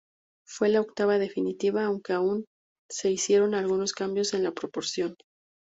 Fue la octava y definitiva, aunque aún se hicieron algunos cambios en la proporción.